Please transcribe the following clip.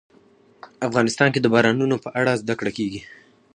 افغانستان کې د بارانونو په اړه زده کړه کېږي.